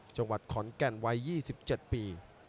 จังหวัดขอนแก่นวัย๒๗ปี